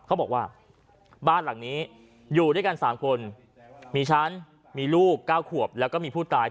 เขาบอกว่าบ้านหลังนี้อยู่ด้วยกัน๓คนมีฉันมีลูก๙ขวบแล้วก็มีผู้ตาย